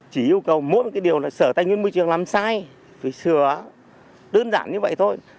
chỉ yêu cầu mỗi cái điều là sở tài nguyên môi trường làm sai phải sửa đơn giản như vậy thôi